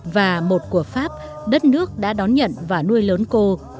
và một của pháp đất nước đã đón nhận và nuôi lớn cô